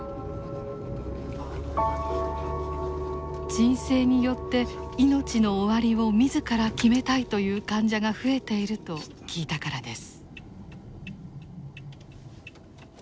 鎮静によって命の終わりを自ら決めたいという患者が増えていると聞いたからです。